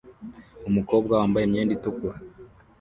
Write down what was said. Umukobwa wambaye imyenda itukura